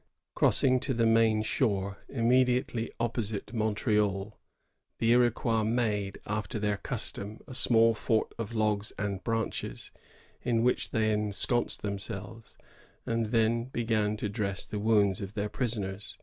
Crossing to the main shore, immediately opposite Montreal, the Iroquois made, after their custom, a small fort of logs and branches, in which they ensconced them selves, and then began to dress the wounds of their prisoners.